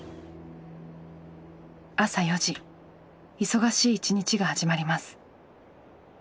忙しい一日が始まります。